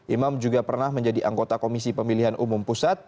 imam juga pernah menjadi anggota komisi pemilihan umum pusat